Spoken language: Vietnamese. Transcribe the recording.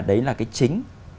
đấy là cái chính